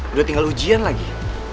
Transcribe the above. udah tinggal ujian lagi